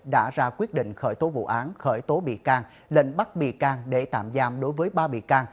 đã ra quyết định khởi tố vụ án khởi tố bị can lệnh bắt bị can để tạm giam đối với ba bị can